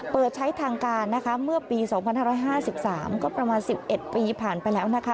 เปิดใช้ทางการนะคะเมื่อปี๒๕๕๓ก็ประมาณ๑๑ปีผ่านไปแล้วนะคะ